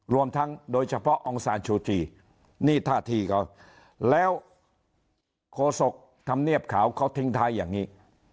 รวมทั้งโดยเฉพาะองซานชูตรีนี่ท่าทีเขาแล้วโฆษกธรรมเนียบขาวเขาทิ้งท้ายอย่างนี้